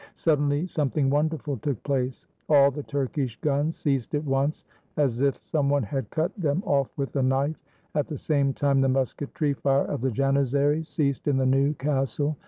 Suddenly something wonderful took place. All the Turkish guns ceased at once, as if some one had cut them off with a knife. At the same time, the musketry fire of the Janizaries ceased in the new castle.